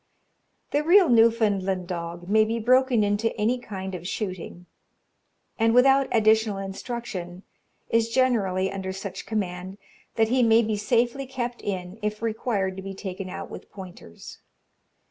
The real Newfoundland dog may be broken into any kind of shooting, and, without additional instruction, is generally under such command, that he may be safely kept in, if required to be taken out with pointers.